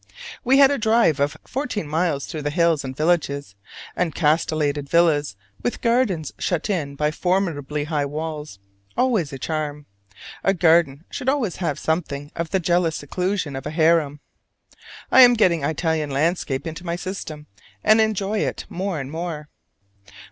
We had a drive of fourteen miles through hills and villages, and castellated villas with gardens shut in by formidably high walls always, a charm: a garden should always have something of the jealous seclusion of a harem. I am getting Italian landscape into my system, and enjoy it more and more.